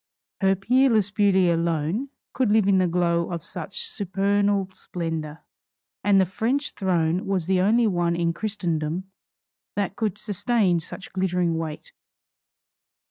Her peerless beauty alone could live in the glow of such supernal splendor, and the French throne was the only one in Christendom that could sustain such glittering weight.